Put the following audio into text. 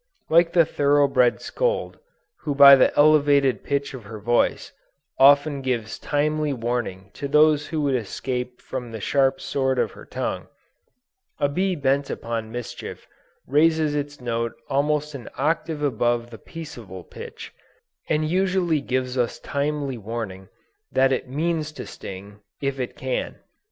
Like the thorough bred scold, who by the elevated pitch of her voice, often gives timely warning to those who would escape from the sharp sword of her tongue, a bee bent upon mischief raises its note almost an octave above the peaceable pitch, and usually gives us timely warning, that it means to sting, if it can.